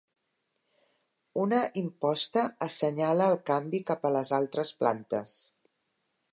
Una imposta assenyala el canvi cap a les altres plantes.